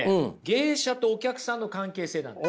芸者とお客さんの関係性なんです。